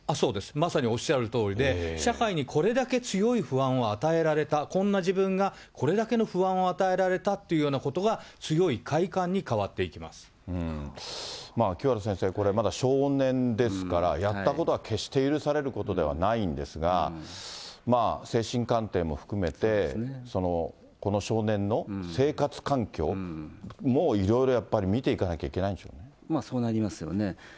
まさにおっしゃるとおりで、社会にこれだけ強い不安を与えられた、こんな自分がこれだけの不安を与えられたというようなことが強い清原先生、これ、まだ少年ですから、やったことは決して許されることではないんですが、精神鑑定も含めて、この少年の生活環境もいろいろやっぱり見ていかなきゃいけないんそうなりますよね。